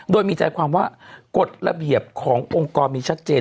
โดยมีใจความว่ากฎระเบียบขององค์กรมีชัดเจน